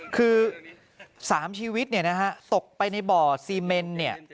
คือ๓ชีวิตเนี่ยนะฮะตกไปในบ่อซีเมนเนี่ย